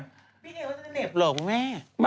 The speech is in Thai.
พี่เอกว่าจะเน็บหรอพี่แม่